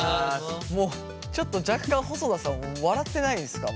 もう若干ちょっと細田さん笑ってないですか？